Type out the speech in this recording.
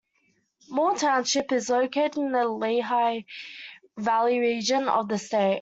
Moore Township is located in the Lehigh Valley region of the state.